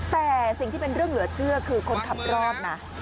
แต่สิ่งที่เป็นเรื่องเหลือเชื่อคือคนขับรอดนะ